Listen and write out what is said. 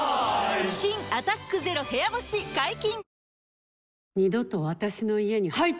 新「アタックＺＥＲＯ部屋干し」解禁‼